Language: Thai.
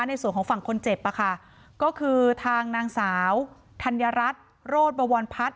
ในส่วนของฝั่งคนเจ็บก็คือทางนางสาวธัญรัฐโรธบวรพัฒน